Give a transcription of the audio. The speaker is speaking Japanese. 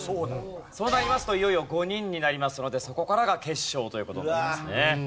そうなりますといよいよ５人になりますのでそこからが決勝という事になりますね。